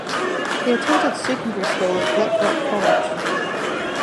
He attended secondary school at Blackrock College.